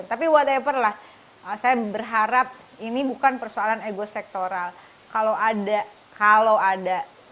tapi what haver lah saya berharap ini bukan persoalan ego sektoral kalau ada kalau ada